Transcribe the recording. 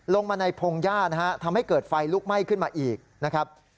ลงมาในพงหญ้านะฮะทำให้เกิดไฟลุกไหม้ขึ้นมาอีกนะครับ